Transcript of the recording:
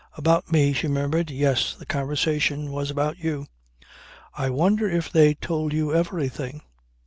"About me?" she murmured. "Yes. The conversation was about you." "I wonder if they told you everything."